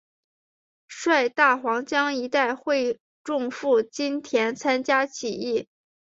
率大湟江一带会众赴金田参加起义。